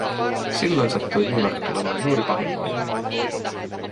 Silloin sattui Nymark tulemaan juuri pahimmoilleen.